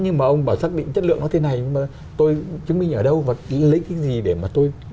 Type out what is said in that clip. nhưng mà ông bảo xác định chất lượng nó thế này nhưng mà tôi chứng minh ở đâu và lấy cái gì để mà tôi